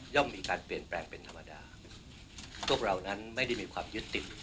มีการเปลี่ยนแปลงเป็นธรรมดาพวกเรานั้นไม่ได้มีความยึดติด